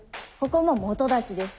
ここも基立ちです。